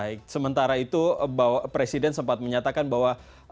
baik sementara itu presiden sempat menyatakan bahwa